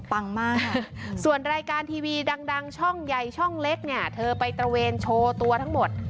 ปังมากส่วนรายการทีวีดังช่องใหญ่ช่องเล็กเนี่ยเธอไปตระเวนโชว์ตัวทั้งหมด